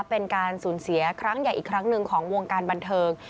เป็นการสูญเสียครั้งใหญ่อีกครั้งหนึ่งของวงการบันเทิง